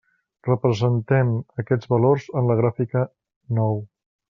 Representem aquests valors en la gràfica nou.